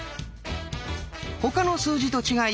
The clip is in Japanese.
他の数字と違い